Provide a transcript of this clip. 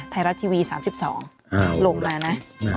ไทยรัฐทีวี๓๒ลงมานะ